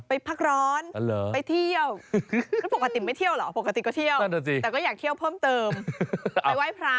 ไปพักร้อนไปเที่ยวก็ปกติไม่เที่ยวเหรอปกติก็เที่ยวแต่ก็อยากเที่ยวเพิ่มเติมไปไหว้พระ